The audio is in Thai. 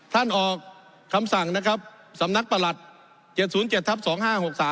ท่านออกคำสั่งนะครับสำนักประหลัด๗๐๗ทับ๒๕๖๓